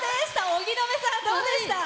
荻野目さん、どうでした？